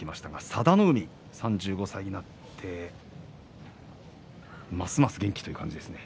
佐田の海、３５歳になってますます元気という感じですね。